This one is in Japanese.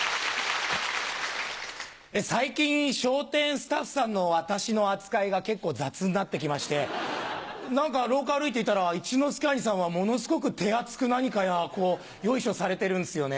最近笑点スタッフさんの私の扱いが結構雑になってきまして何か廊下歩いていたら一之輔兄さんはものすごく手厚く何かよいしょされてるんですよね。